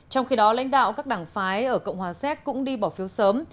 trong khi đó lãnh đạo các đảng phái ở cộng hòa séc cũng đi bỏ phiếu sớm